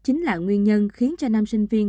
chính là nguyên nhân khiến cho nam sinh viên